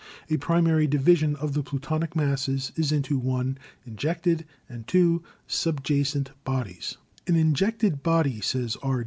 A primary division of the plutonic masses is into (i) injected and (2) subjacent bodies. "An injected body," says R.